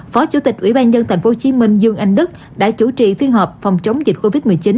phó chủ tịch ủy ban nhân tp hcm dương anh đức đã chủ trì phiên họp phòng chống dịch covid một mươi chín